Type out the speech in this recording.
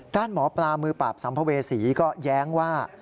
ด้านหมอปลามือปราบสัมภเวษีก็แย้งว่า